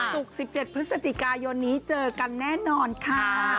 สุดสิบเจ็ดพฤศจิกายนนี้เจอกันแน่นอนค่ะ